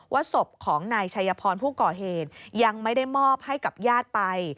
ศพของนายชัยพรผู้ก่อเหตุยังไม่ได้มอบให้กับญาติไป